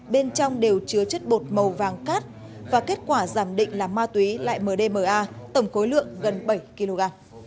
bên trong đều chứa chất bột màu vàng cát và kết quả giảm định là ma túy lại mdma tổng cối lượng gần bảy kg